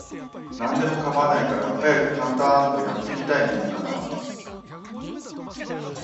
何でも構わないから、早くタンタアーンと、やって見たいもんだなあ